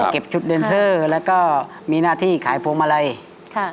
เก็บชุดเดนเซอร์แล้วก็มีหน้าที่ขายพวงมาลัยค่ะ